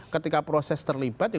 ketika proses terlibat